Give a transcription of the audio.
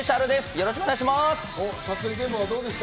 よろしくお願いします。